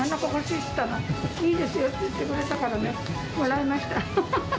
いいですよって言ってくれたからね、もらいました。